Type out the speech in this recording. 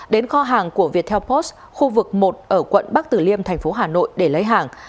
đến kho hàng của viettel post khu vực một ở quận bắc tử liêm thành phố hà nội để lấy hàng